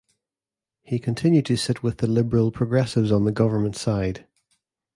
He continued to sit with the Liberal-Progressives, on the government side.